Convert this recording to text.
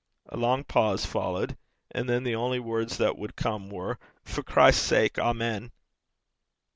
A long pause followed. And then the only words that would come were: 'For Christ's sake. Amen.'